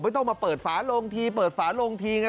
ไม่ต้องมาเปิดฝาโรงทีไง